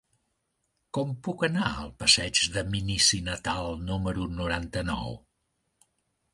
Com puc anar al passeig de Minici Natal número noranta-nou?